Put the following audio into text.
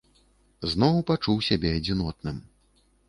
Зноў пачуў сябе адзінотным.